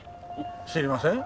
知りません。